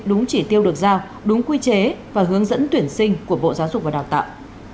đúng chỉ tiêu được giao đúng quy chế và hướng dẫn tuyển sinh của bộ giáo dục và đào tạo